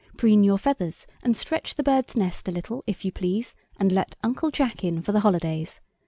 Preen your feathers, and stretch the Birds' nest a little, if you please, and let Uncle Jack in for the holidays.